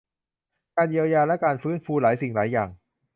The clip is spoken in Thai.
การเยียวยาและการฟื้นฟูหลายสิ่งหลายอย่าง